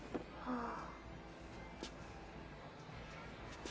ああ。